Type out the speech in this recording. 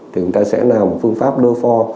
thì người ta sẽ làm phương pháp lơ pho